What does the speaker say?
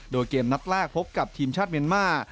โดยเกมนัดแรกพบกับทีมชาติเมียนมาร์